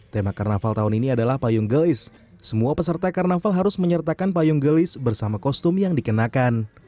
tema karnaval tahun ini adalah payung gelis semua peserta karnaval harus menyertakan payung gelis bersama kostum yang dikenakan